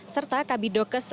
serta kabit dokes